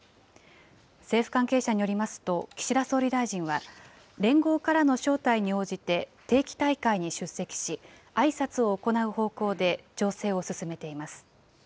政府関係者によりますと、岸田総理大臣は、連合からの招待に応じて、定期大会に出席し、挨拶を行う方向で調整を進めています。